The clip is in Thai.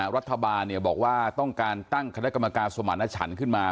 รัฐบาลบอกว่าต้องการตั้งคณะกรรมการสมรรถฉันขึ้นมา